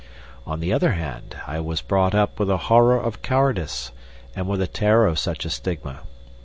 On the other hand, I was brought up with a horror of cowardice and with a terror of such a stigma.